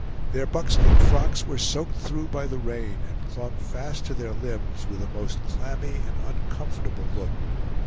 Their buckskin frocks were soaked through by the rain, and clung fast to their limbs with a most clammy and uncomfortable look.